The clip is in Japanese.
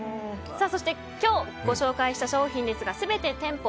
そして今日ご紹介した商品ですが全て店舗